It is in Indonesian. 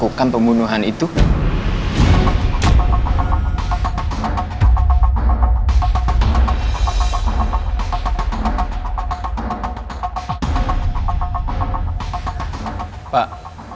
ini kan jam dari om baik